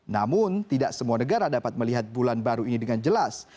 namun tidak semua negara dapat melihat bulan baru ini dengan jelas